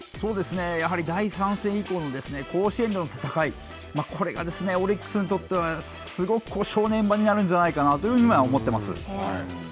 やはり第３戦以降の甲子園での戦い、これがオリックスにとってはすごく正念場になるんじゃないかなと思ってます。